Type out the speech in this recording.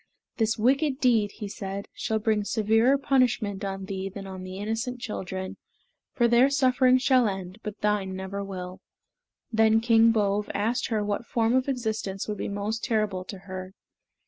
"This wicked deed," he said, "shall bring severer punishment on thee than on the innocent children, for their suffering shall end, but thine never shall." Then King Bove asked her what form of existence would be most terrible to her.